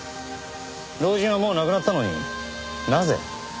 老人はもう亡くなったのになぜ？